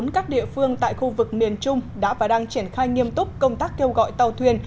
các địa phương tại khu vực miền trung đã và đang triển khai nghiêm túc công tác kêu gọi tàu thuyền